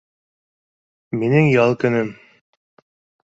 — Минең ял көнөм